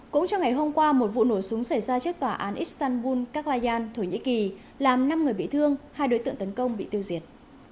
cũng trong ngày hôm qua một vụ nổ súng xảy ra trước tòa án istanbul kaklayan thổ nhĩ kỳ làm năm người bị thương hai đối tượng tấn công bị tiêu diệt